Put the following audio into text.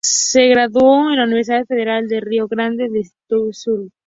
Se graduó en la Universidad Federal de Río Grande do Sul.